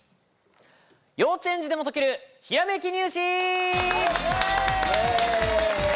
幼稚園児でも解けるひらめき入試！